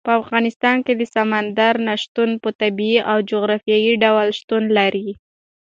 په افغانستان کې د سمندر نه شتون په طبیعي او جغرافیایي ډول شتون لري.